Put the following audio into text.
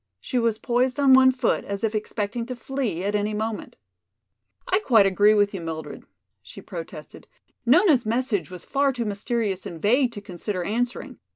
She was poised on one foot as if expecting to flee at any moment. "I quite agree with you, Mildred," she protested. "Nona's message was far too mysterious and vague to consider answering.